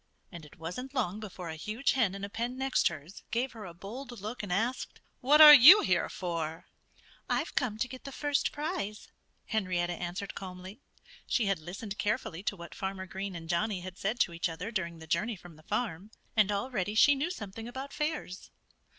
And it wasn't long before a huge hen in a pen next hers gave her a bold look and asked, "What are you here for?" "I've come to get the first prize," Henrietta answered calmly. She had listened carefully to what Farmer Green and Johnnie had said to each other during the journey from the farm. And already she knew something about fairs.